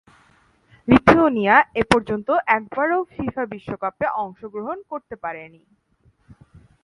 Lithuania এপর্যন্ত একবারও FIFA বিশ্বকাপে অংশগ্রহণ করতে পারেনি।